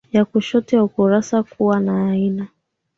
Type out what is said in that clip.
ya kushoto ya ukurasa Kuwa na aina